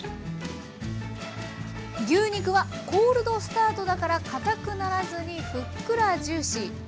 牛肉はコールドスタートだからかたくならずにふっくらジューシー。